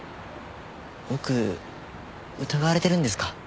僕疑われてるんですか？